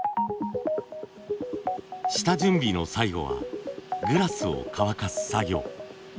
下準備の最後はグラスを乾かす作業。